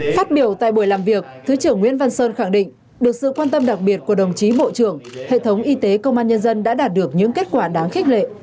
phát biểu tại buổi làm việc thứ trưởng nguyễn văn sơn khẳng định được sự quan tâm đặc biệt của đồng chí bộ trưởng hệ thống y tế công an nhân dân đã đạt được những kết quả đáng khích lệ